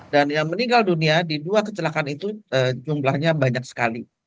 dan yang meninggal dunia di dua kecelakaan itu jumlahnya banyak sekali